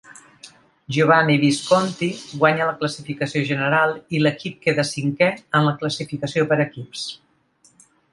Giovanni Visconti guanya la classificació general i l'equip queda cinquè en la classificació per equips.